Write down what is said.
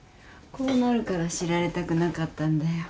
こうなるから知られたくなかったんだよ。